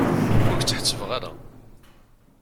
Ur k-tt-ḥettbeɣ ara.